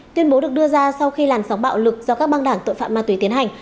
tuyên bố được đưa ra sau khi làn sóng bạo lực do các băng đảng tội phạm ma túy tiến hành